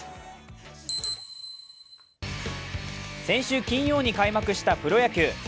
先週金曜に開幕したプロ野球。